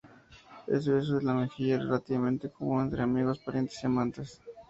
El beso en la mejilla es relativamente común, entre amigos, parientes y amantes.